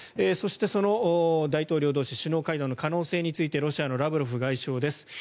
そして、その大統領同士首脳会談の可能性についてロシアのラブロフ外相です。